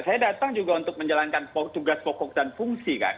saya datang juga untuk menjalankan tugas pokok dan fungsi kan